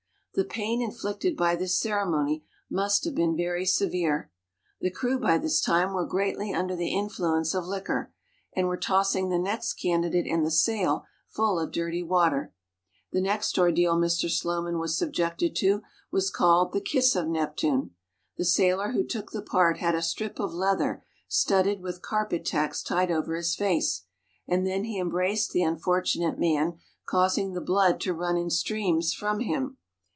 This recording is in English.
The pain inflicted by this ceremony must have been very severe. The crew by this time were greatly under the influence of liquor, and were tossing the next candidate in the sail full of dirty water. The next ordeal Mr. Slowman was subjected to was called the *^kiss of Neptune.'' The sailor who took the part had a strip of leather studded with carpet tacks tied over his face, and then he embraced the unfortunate man, causing the blood to run in streams from him.